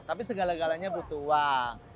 tapi segala galanya butuh uang